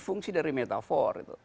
fungsi dari metafor